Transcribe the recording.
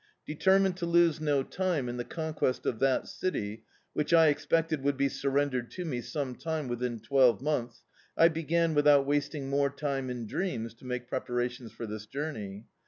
De termined to lose no time in the conquest of that city, which I expected would be surrendered to me some time within twelve months, I began, without wasting more time in dreams, to make preparations for this journey.